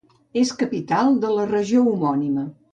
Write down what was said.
És capital de la regió homònima.